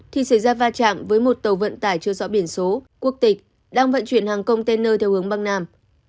thì xảy ra va chạm với một tàu vận tải chưa rõ biển số quốc tịch đang vận chuyển hàng công tên nơi theo hướng băng nam